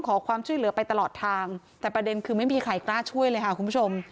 ขอความช่วยเหลือไปตลอดทางแต่ประเด็นคือไม่มีใครกล้าช่วยเลยค่ะคุณผู้ชม